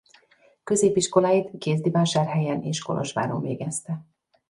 Középiskoláit Kézdivásárhelyen és Kolozsváron végezte.